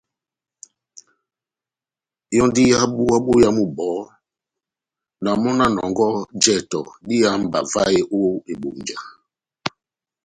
Yɔ́ndi yá búwa boyamu bɔhɔ́, na mɔ́ na nɔngɔhɔ jɛtɛ dá ihámba vahe ó Ebunja.